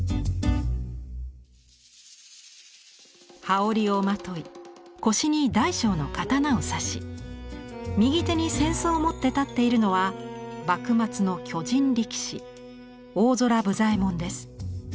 羽織をまとい腰に大小の刀を差し右手に扇子を持って立っているのは幕末の巨人力士大空武左衛門です。